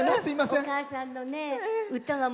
お母さんの歌はね